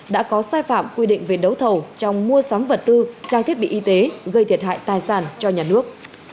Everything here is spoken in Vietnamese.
đã có sai phạm quy định về đấu thầu trong mua sắm vật tư trang thiết bị y tế gây thiệt hại tài sản cho nhà nước